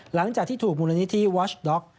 หลังจากที่ถูกมูลนิธิวอชด็อก